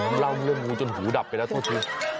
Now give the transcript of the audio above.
แต่ผมเล่าเรื่องงูจนหูดับไปแล้วทอดครับ